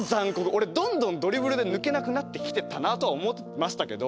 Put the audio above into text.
俺どんどんドリブルで抜けなくなってきてたなとは思ってましたけど。